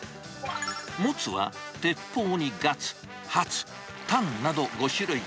モツはてっぽうにガツ、ハツ、タンなど５種類。